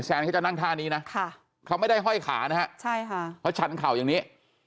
แซนจะนั่งทางนี้นะคะเขาไม่ได้ไห้ขาเพราะฉันเฉ่าอย่างนี้